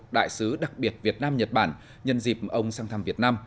đại sứ đặc biệt việt nam nhật bản nhân dịp ông sang thăm việt nam